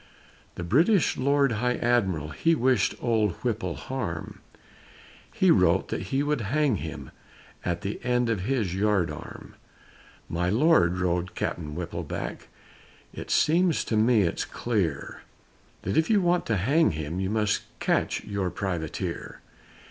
The British Lord High Admiral He wished old Whipple harm, He wrote that he would hang him At the end of his yard arm. "My Lord," wrote Cap'n Whipple back, "It seems to me it's clear That if you want to hang him, You must catch your Privateer."